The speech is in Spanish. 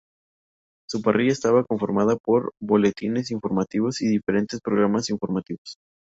Su parrilla estaba conformada por boletines informativos, y diferentes programas informativos.